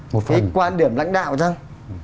cái quan điểm lãnh đạo chăng